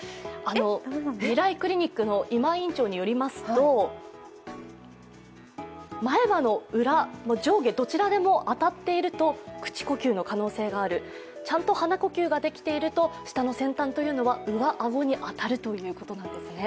みらいクリニックの今井院長によりますと、前歯の裏、上下どちらでも当たっていると口呼吸の可能性がある、ちゃんと鼻呼吸ができていると舌の先端というのは上顎に当たるということなんですね。